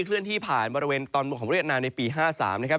เคลื่อนที่ผ่านบริเวณตอนบนของเวียดนามในปี๕๓นะครับ